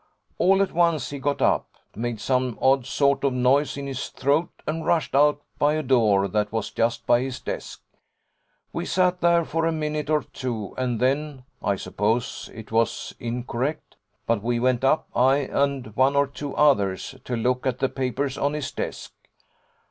All at once he got up, made some odd sort of noise in his throat, and rushed out by a door that was just by his desk. We sat there for a minute or two, and then I suppose it was incorrect but we went up, I and one or two others, to look at the papers on his desk.